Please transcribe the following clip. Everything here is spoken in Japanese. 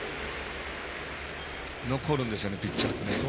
残るんですよねピッチャーって。